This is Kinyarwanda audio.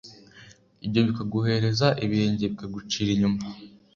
ibyo bikaguhereza ibirenge bikagucira inyuma